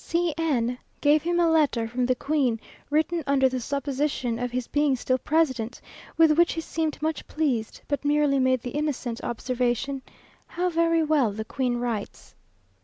C n gave him a letter from the Queen, written under the supposition of his being still President, with which he seemed much pleased, but merely made the innocent observation, "How very well the Queen writes!"